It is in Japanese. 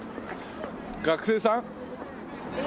学生さん？